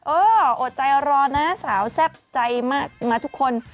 ยอดใจรอนะสาวแซ่บใจมากมาทุกคน